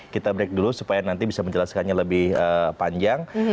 kita break dulu supaya nanti bisa menjelaskannya lebih panjang